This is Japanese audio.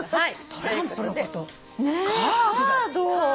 トランプのことをカード。